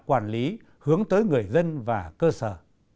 quản lý hướng tới người dân và cơ sở